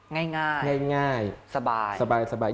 ง่ายสบายช่าย